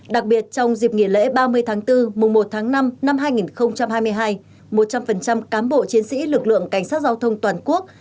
đặc biệt trong dịp nghỉ lễ ba mươi tháng bốn mùa một tháng năm năm hai nghìn hai mươi hai một trăm linh cán bộ chiến sĩ lực lượng cảnh sát giao thông toàn quốc